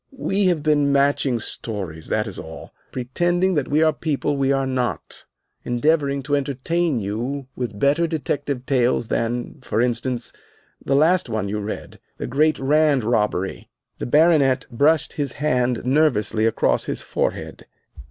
We have been matching stories, that is all, pretending that we are people we are not, endeavoring to entertain you with better detective tales than, for instance, the last one you read, 'The Great Rand Robbery.'" The Baronet brushed his hand nervously across his forehead.